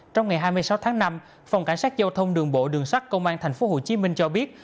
trong ngày hai mươi sáu tháng năm phòng cảnh sát giao thông đường bộ đường sắt công an tp hcm cho biết